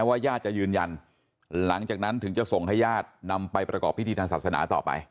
ญาติจะยืนยันหลังจากนั้นถึงจะส่งให้ญาตินำไปประกอบพิธีทางศาสนาต่อไป